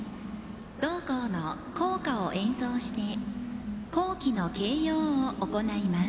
同校の校歌を演奏して校旗の掲揚を行います。